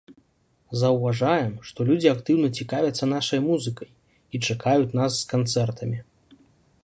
Заўважаем, што людзі актыўна цікавяцца нашай музыкай і чакаюць нас з канцэртамі.